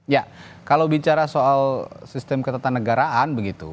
ya kalau bicara soal sistem ketatanegaraan begitu